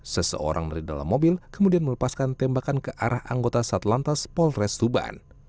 seseorang dari dalam mobil kemudian melepaskan tembakan ke arah anggota satlantas polres tuban